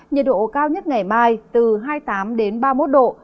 nhiệt độ cao nhất ngày mai từ hai mươi tám đến ba mươi một độ